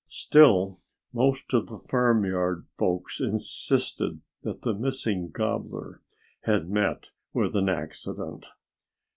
Still, most of the farmyard folks insisted that the missing gobbler had met with an accident.